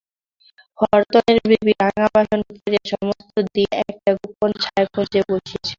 হরতনের বিবি রাঙা বসন পরিয়া সমস্তদিন একটা গোপন ছায়াকুঞ্জে বসিয়া ছিল।